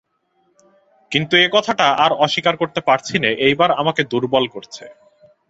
কিন্তু এ কথাটা আর অস্বীকার করতে পারছি নে এইবার আমাকে দুর্বল করছে।